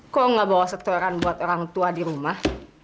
kok nggak bawa setoran buat orang tua di rumah